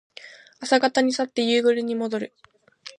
朝方に去って夕暮れにもどる。